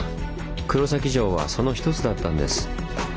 黒崎城はその一つだったんです。